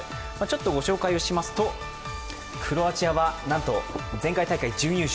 ご紹介をしますと、クロアチアはなんと前回大会準優勝。